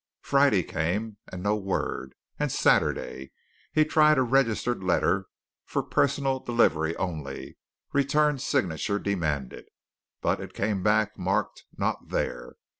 Friday came, and no word; and Saturday. He tried a registered letter "for personal delivery only, return signature demanded" but it came back marked "not there."